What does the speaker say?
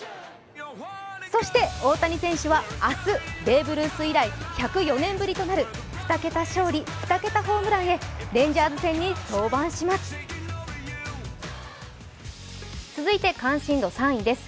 そして大谷選手は明日、ベーブ・ルース以来１０４年ぶりとなる２桁勝利・２桁ホームランへレンジャーズ戦に登板します。